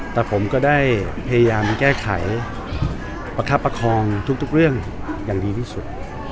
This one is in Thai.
แต่ผมก็ได้พยายามแก้ไขประคับประคองทุกเรื่องอย่างดีที่สุด